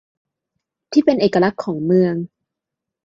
ที่เป็นเอกลักษณ์ของเมือง